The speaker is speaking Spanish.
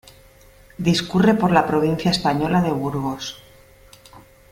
Discurre por la provincia española de Burgos.